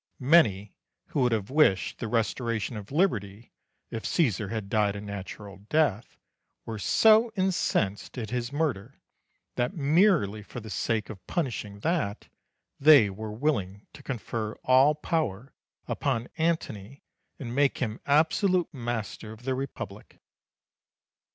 Many who would have wished the restoration of liberty, if Caesar had died a natural death, were so incensed at his murder that, merely for the sake of punishing that, they were willing to confer all power upon Antony and make him absolute master of the Republic.